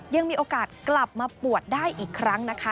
ยังมีโอกาสกลับมาปวดได้อีกครั้งนะคะ